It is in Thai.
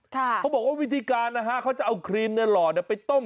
เขาบอกว่าวิธีการนะฮะเขาจะเอาครีมในหล่อไปต้ม